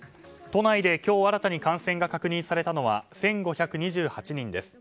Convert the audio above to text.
都内で今日、新たに感染が確認されたのは１５２８人です。